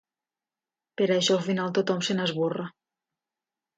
Per això al final tothom se n'esborra.